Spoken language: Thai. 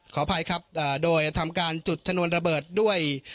ขออภัยครับโดยทำการจุดชนวนระเบิดด้วย